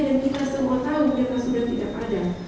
dan kita semua tahu mereka sudah tidak ada